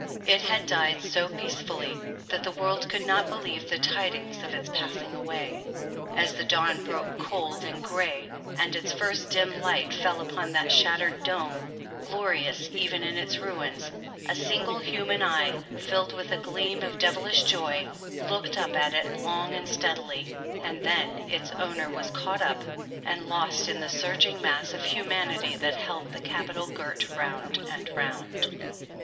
It had died so peace fully, that the world could not believe the tidings of its passing away. As the dawn broke cold and gray, 48 and its first dim light fell upon that shattered dome^ glorious even in its ruins, a single human eye, filled with a gleam of devilish joy, looked up at it long and steadily, and then its owner was caught up and lost in the surging mass of humanity that held the Capitol girt round and round.